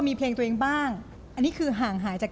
มีเพลงตัวเองบ้างอันนี้คือห่างหายจาก